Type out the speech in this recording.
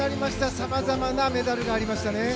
さまざまなメダルがありましたね。